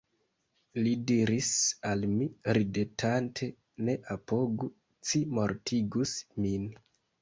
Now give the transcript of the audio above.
Li diris al mi ridetante: «Ne apogu, ci mortigus min».